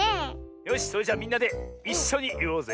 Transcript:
よしそれじゃみんなでいっしょにいおうぜ。